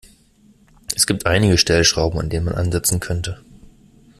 Es gibt einige Stellschrauben, an denen man ansetzen könnte.